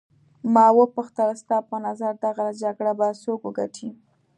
ما وپوښتل ستا په نظر دغه جګړه به څوک وګټي.